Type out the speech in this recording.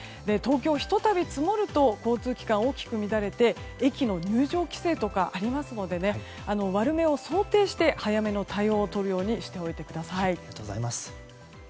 東京ひと度、積もると交通機関大きく乱れて駅の入場規制とかありますので悪めを想定して早めの対応をとるようにしてください。